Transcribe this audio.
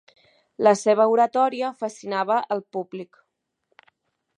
La seva oratòria fascinava el públic.